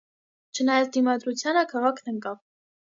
Չնայած դիմադրությանը՝ քաղաքն ընկավ։